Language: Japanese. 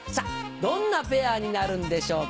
どんなペアになるんでしょうか？